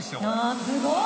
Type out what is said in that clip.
あすごい！